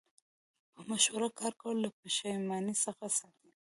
په مشوره کار کول له پښیمانۍ څخه ساتي.